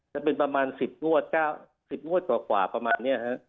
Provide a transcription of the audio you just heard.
จะเป็นประมาณ๑๐งวด๙๐งวดกว่าประมาณนี้ฮะ